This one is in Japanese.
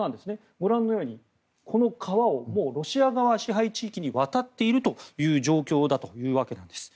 ご覧のようにこの川をもうロシア側の支配地域に渡っているという状況だということです。